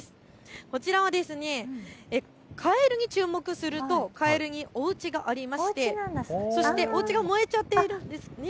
こちらはカエルに注目すると、カエルのおうちがありましておうちが燃えているんです。